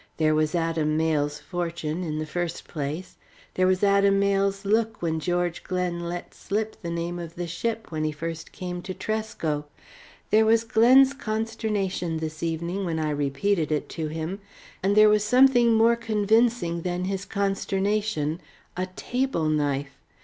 There was Adam Mayle's fortune, in the first place; there was Adam's look when George Glen let slip the name of the ship when he first came to Tresco; there was Glen's consternation this evening when I repeated it to him, and there was something more than his convincing than his consternation a table knife.